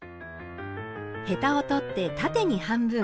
ヘタを取って縦に半分。